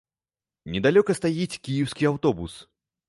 Недалёка стаіць кіеўскі аўтобус.